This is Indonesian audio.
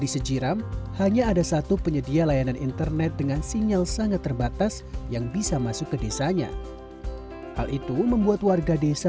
secara pendidikan dan yg cukup earnings